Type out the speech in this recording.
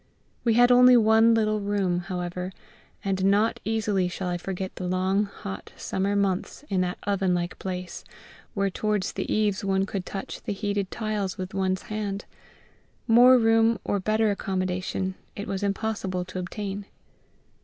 We had only one little room, however, and not easily shall I forget the long hot summer months in that oven like place, where towards the eaves one could touch the heated tiles with one's hand. More room or better accommodation it was impossible to obtain.